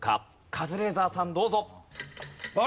カズレーザーさんどうぞ。